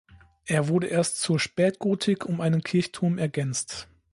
Er wurde erst zur Spätgotik um einen Kirchturm ergänzt.